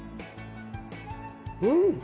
うん！